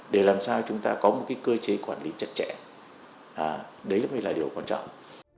để làm sao chúng ta có một cơ chế quản lý chặt chẽ đấy mới là điều quan trọng